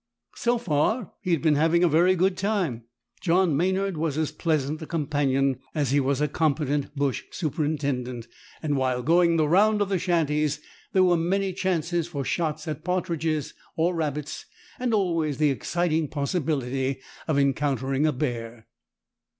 So far he had been having a very good time. John Maynard was as pleasant a companion as he was a competent bush superintendent, and, while going the round of the shanties, there were many chances for shots at partridges or rabbits, and always the exciting possibility of encountering a bear.